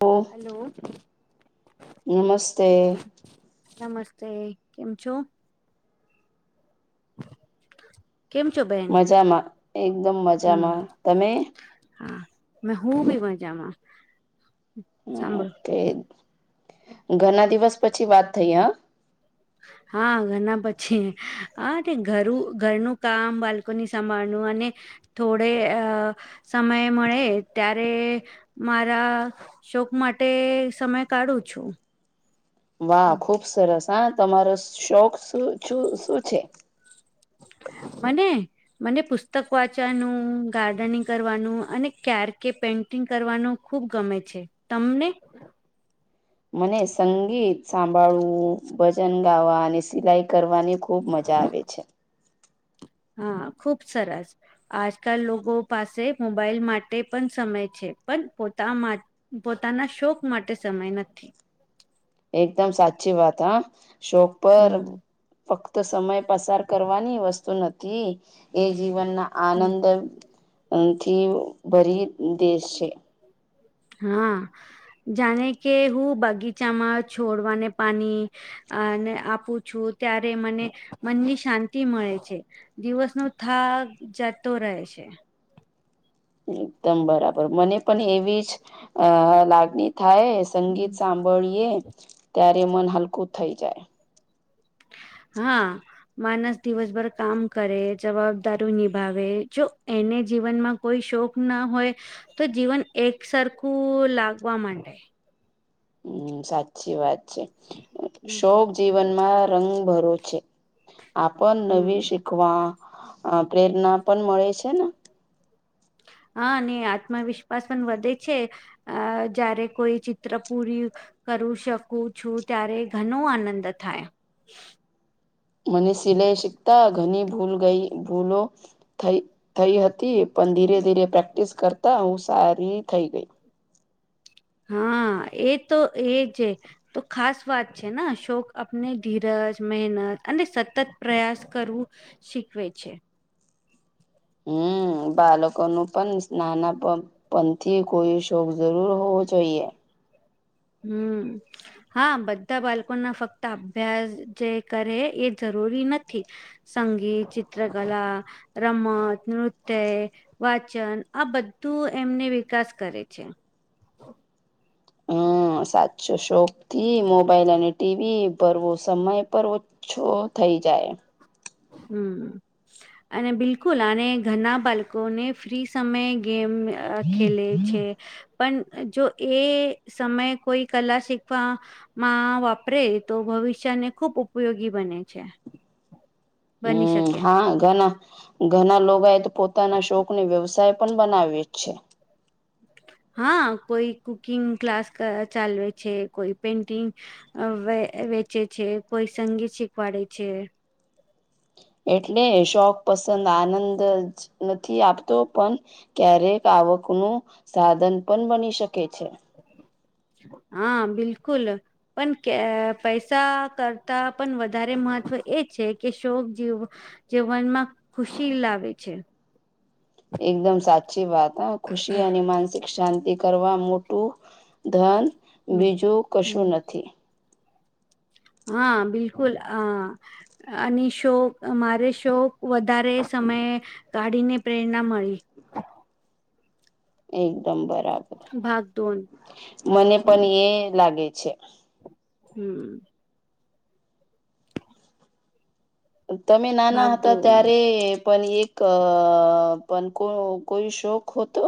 ઓ hello નમસ્તે નમસ્તે કેમ છો? કેમ ચુબે મજામાં એકદમ મજામાં તમે? હા મે હું બી મજામાં સાંભળો કે ઘણા દિવસ પછી વાત થઈ હ, હા, ઘના પછી હા ઘરું ઘરનું કામ બાલ્કોની સંંભાળનું અને થોડે અ સમય મળે ત્યારે મારા શોક માટે સમય કાઢું છું વાહ ખુબ સરસ હા તમારો શોખ શું છે મને મને પુસ્તક વાંચવાનું ગાર્ડનિંગ કરવાનું અને ક્યારેકે પે [inaudible] ગ કરવાનું ખુબ ગમે છે, તમને મને સંગીત સાંભળવું ભજન ગાવા અને સિલાઈ કરવાની, ખુબ મજા આવે છે. હા, ખુબ સરસ આજકાલ લોકો પાસે મોબાઈલ માટે પણ સમય છે, પણ પોતા માટે પોતાના શોક માટે સમય નથી એકદમ સાચી વાત હા શોક પર હમ ફક્ત સમય પસાર કરવાની વસ્તુ નથી એ જીવનના હમ, આનંદ થી ભરી દેશ છે હા જાણે કે હું બગીચામાં છોડવાને પાણી અને આપું છું ત્યારે મને મનની શાંતિ મળે છે દિવસ નો થાક જતો રહે છે એકદમ બરાબર મને પણ એવી જ લાગણી થાય સંગીત હમ સા બળીએ ત્યારે મન હલકું થઈ જાય હા માનસ દિવસભર કામ કરે જવાબદાર નિભાવે જો એને જીવનમાં કોઈ શોખ ના હોય તો જીવન એક સરખું લાગવા માંડે હમ સાચી વાત છે શોક જીવનમાં રંગ ભરો છે આપણ નવી હમ શીખવા પ્રેરણા પણ મળે છે ને હા, અને આત્મવિશ્વાસ પણ વધે છે. અા જયારે કોઈ ચિત્ર પૂરી કરું શકું છું, ત્યારે ઘણો આનંદ થાય. મને સિલાઈ શીખતા ઘણી ભૂલ ગઈ ભૂલો થઈ થઈ હતી પણ ધીરે ધીરે પ્રેક્ટિસ કરતા હું સારી થઈ ગઈ હા એ તો એજ તો ખાસ વાત છે શોક આપને ધીરજ મહેનત અને સતત પ્રયાસ કરવું શીખવે છે હમ બાળકોનું પણ નાના પણ પંથી કોઈ શોક જરૂર હોવ જોઈએ હમ હા બધા બાળકોના ફક્ત અભ્યાસ જે કરે એ જરૂરી નથી સંગીત ચિત્રકલા રમત નૃત્ય વાચન આ બધું એમને વિકાસ કરે છે હમ સાચો શોપ થી મોબાઈલ અને ટીવી ભરવો સમય પર છો થઈ જાય હમ અને બિલકુલ આ ઘરના બાળકોને ફ્રી સમયે ગેમ અા ખેલે છે. પણ જો એ સમયે કોઈ કલા શીખવા માં વાપરે તો ભવિષ્યને ખુબ ઉપયોગી બને છે. બની હમ. શકે. હા, ઘણા ઘણા લોકો એ તો પોતાના શોકને વ્યવસાય પણ બનાવ્યો જ છે. હા, કોઈ કુકિંગ ક્લાસ ચાલવે છે. કોઈ પેન્ટિંગ અવે વેચે છે. કોઈ સંગીત શીખવાડે છે. એટલે શોખ પસંદ આનંદ જ નથી આપતો પણ ક્યારેક આવકનું સાધન પણ બની શકે છે. હા, બિલકુલ. પણ કે પૈસા કરતા પણ વધારે મહત્ત્વ એ છે કે શોક જેવું જે મનમાં ખુશી લાવે છે. એકદમ સાચી વાત હ. ખુશી અને માનસિક શાંતિ કરવા મોટું ધન, હમ બીજું હમ કશું નથી. હા, બિલકુલ હ. અને શોક મારે શોક વધારે સમયે કાઢીને પ્રેરણા મળી. એકદમ બરાબર. ભાગદોડ મને પણ એ લાગે છે. હમ. તમે નાના હતા ભાગદોડ ત્યારે પણ એક અ પણ કો કોઈ શોખ હોતો?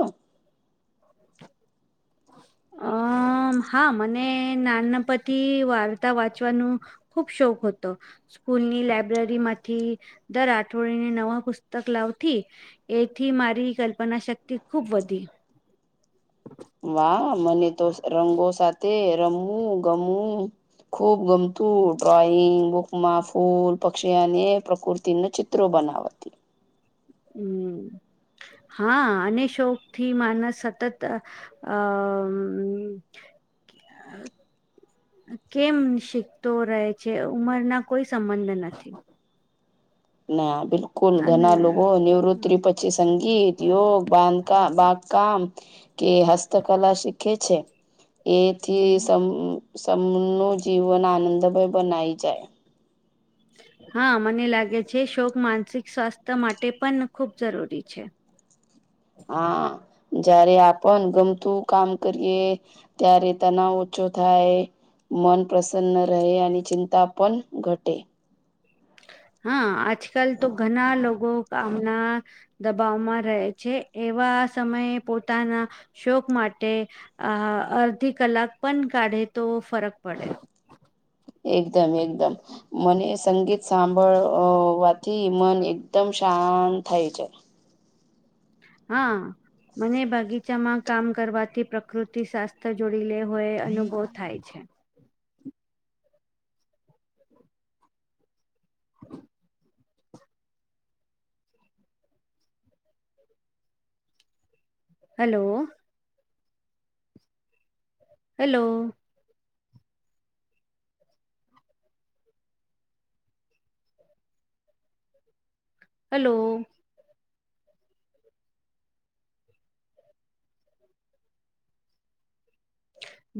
[inaudible] હ. [unintelligible] હા, મને નાનપણથી વાર્તા વાંચવાનું ખુબ શોખ હતો. સ્કૂલની લાઈબ્રેરીમાંથી દર અઠવાડિયેને નવા પુસ્તક લાવતી. એથી મારી કલ્પનાશક્તિ ખૂબ વધી. વાહ. મને તો રંગો સાથે રમવું, ગમવું ખૂબ ગમતું ડ્રોઈંગ બુકમાં ફૂલ, પક્ષી અને પ્રકૃતિને ચિત્ર ચિત્રો બનાવતી. હમ. [unintelligible] હા, અને શોકથી માનસ સતત અ [inaudible] કેમ? શીખતો રહે છે. ઉંમરના કોઈ સંબંધ નથી. ના, બિલકુલ અને ઘણા લોકો નિવૃતિિ પછી સંગીત યો બાંધ બા કામ કે હસ્ત કલા શીખે છે. એથી સમનું જીવન આનંદભય બનાઈ જાય. હા, મને લાગે છે. શોક માનસિક સ્વાસ્થ્ય માટે પણ ખૂબ જરૂરી છે. હા. જયારે આપણ ગમતું કામ કરીએ, ત્યારે તનાવ ઓછો થાય. મન પ્રસન્ન રહે અને ચિંતા પણ ઘટે. હા, આજકાલ તો ઘણા લોકો આમના દબાવમાં રહે છે. એવા સમયે પોતાના શોક માટે આ અડધી કલાક પણ કાઢે તો ફરક પડે. એકદમ એકદમ. મને સંગીત સાંભળવાથી મન એકદમ શાંત થાય છે. હા મને બગીચામાં કામ કરવાથી પ્રકૃતિ શાસ- જોડી લે હોય અનુભવ થાય છે. હ- હલો- હેલો- હેલો-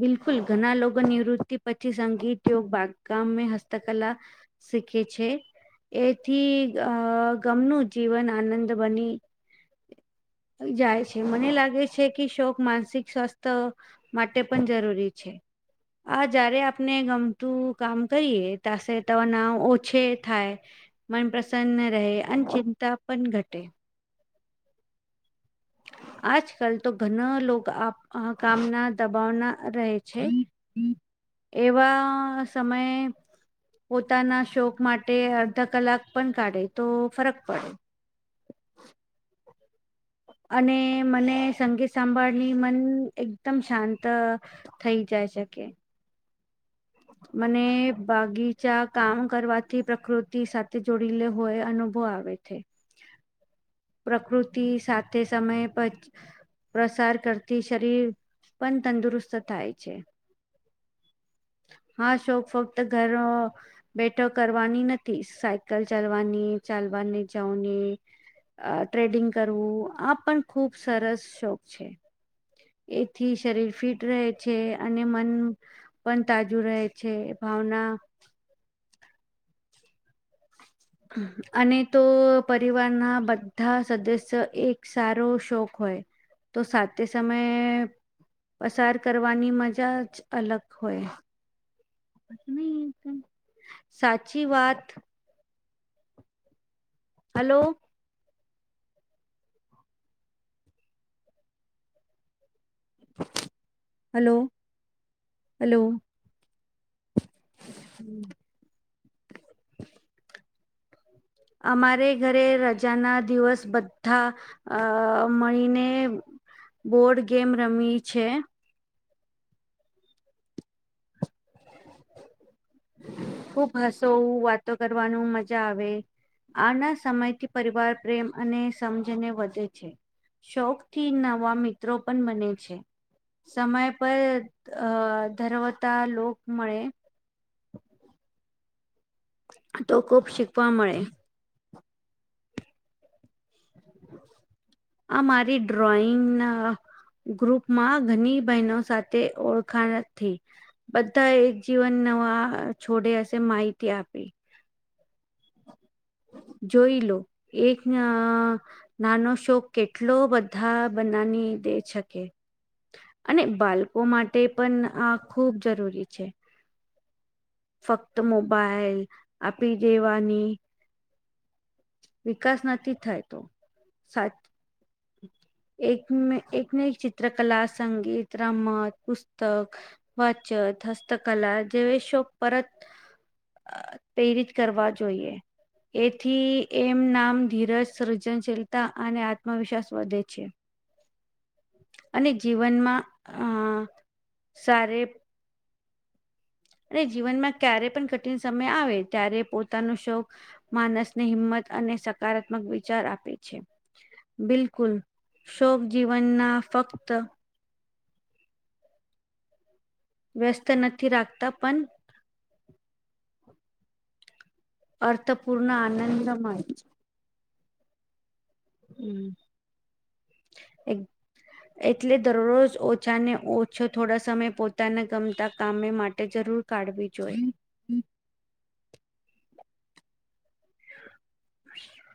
બિલકુલ ઘણા લોકો નિવૃત્તિ પછી સંગીત યોગ બાગગામ હસ્તકલા- શીખે છે. એથી ગમનું જીવન આનંદ બની- જાય છે મને લાગે છે કે શોક માનસિક સ્વાસ્થ્ય- માટે પણ જરૂરી છે. આ જય્યારે આપને ગમતું કામ કરીએ તશે તનાવ ઓછે થાય. મન પ્રસન્ન રહે અને ચિંતા પણ ઘટે. આજકાલ તો ઘણા લોકો આ આ કામના દબાવના રહે છે. એવા સમયે. પોતાના શોક માટે અડધા કલાક પણ કાઢે તો ફરક પડે. અને મને સંગીત સાંભાળની મન એકદમ શાંત- થઈ જાય શકે- મને બાગીચા કામ કરવાથી પ્રકૃતિ સાથે જોડી લે હોય અને- - [unintelligible] આવે છે [unintelligible] પ્રકૃતિ સાથે સમય પ- પ્રસાર કરતી શરીર પણ તંદુરસ્ત થાય છે. હા શોક ફક્ત ઘરો બેઠો કરવાની નથી સાયકલ ચાલવાની ચાલવાની જવની. અ ટ્રેડિંગ કરવું આ પણ ખુબ સરસ શોખ છે. એથી શરીર ફિટ રહે છે અને મન પણ તાજુ રહે છે ભાવના [inaudible] અને તો પરિવારના બધા સદસ્ય એક સારો શોખ હોય. તો સાથેતે સમયે પસાર કરવાની મજા જ અલગ હોય. નહી સાચી વાત. હલો. Hello hello. હમ્મ. અમારે ઘરે રજાના દિવસ બધા અ મળીને બોર્ડ ગેમ રમીએ છે. ખુબ હસો વાતો કરવાનું મજા આવે. આના સમયથી પરિવાર પ્રેમ અને સમજને વધે છે. શોખ થી નવા મિત્રો પણ બને છે. સમય પર અ ધરાવતા લોક મળે. તો ખુબ શીખવા મળે. [inaudible] આ મારી ડ્રોઈંગના ગ્રુપમાં ઘણી બહેનો સાથે ઓળખાણ થઈ. બધા એક જીવન નવા છોડે હશે માહિતી આપી. જોઈ લો એક નાનો શોક કેટલો બધા બનાવી દે શકે. અને બાળકો માટે પણ આ ખૂબ જરૂરી છે. ફક્ત મોબાઈલ આપી દેવાની. વિકાસ નથી થાય તો સાચ એક એકને એક ચિત્રકલા સંગીત, રમત, પુસ્તક. વાચત, હસ્તકલા જેવી શો પરત. પ્રેરિત કરવા જોઈએ એથી. એમ નામ ધીરજ, સૃજનશીલતા અને આત્મવિશ્વાસ વધે છે. અને જીવનમાં અ સારે અને જીવનમાં ક્યારે પણ કઠિન સમય આવે ત્યારે પોતાનો શોક માનસને હિંમત અને સકારાત્મક વિચાર આપે છે. બિલકુલ શોક જીવનના ફક્ત વ્યસ્ત નથી રાખતા પણ અર્થ પૂર્ણ આનંદ મળે છે. હમ્મ એ. એટલે દરરોજ ઓછાને ઓછો થોડા સમય પોતાને ગમતા કામે માટે જરૂર. કાઢવી જોઈએ. [inaudible]